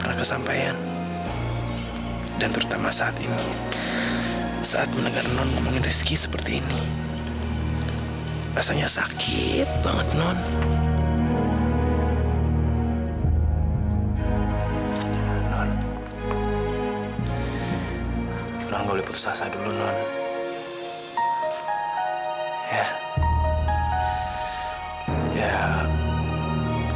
aku yakin tuhan pasti akan berhasil yang terbaik buat non ini man